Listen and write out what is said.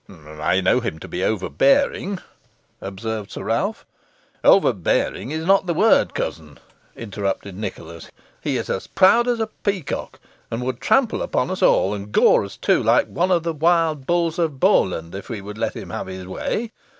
"I know him to be overbearing," observed Sir Ralph. "Overbearing is not the word, cousin," interrupted Nicholas; "he is as proud as a peacock, and would trample upon us all, and gore us too, like one of the wild bulls of Bowland, if we would let him have his way.